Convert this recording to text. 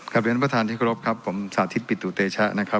ครับเรียนประธานที่รบครับผมสาธิตปิตุเตชะ